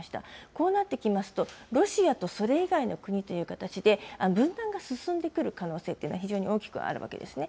こうなってきますと、ロシアとそれ以外の国という形で、分断が進んでくる可能性というのは非常に大きくあるわけですね。